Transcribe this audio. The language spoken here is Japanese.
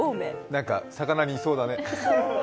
何か魚にいそうだね、メボウ。